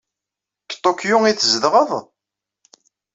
Deg Tokyo ay tzedɣed?